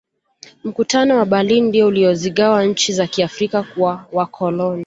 mkutano wa berlin ndiyo uliyozigawa nchi za kiafrika kwa wakoloni